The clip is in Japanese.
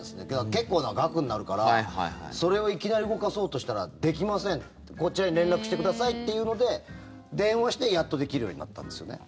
結構な額になるからそれをいきなり動かそうとしたらできません、こちらに連絡してくださいっていうので電話して、やっとできるようになったんですよね。